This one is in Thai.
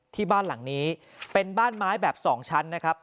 ที่บ้านหลังนี้เป็นบ้านไม้แบบ๒ชั้นนะครับ